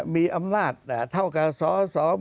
มีอำนาจเท่ากับสส